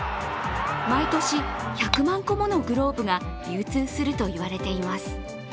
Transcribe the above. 毎年、１００万個ものグローブが流通するといわれています。